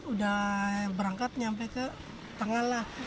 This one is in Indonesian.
udah berangkat nyampe ke tengah lah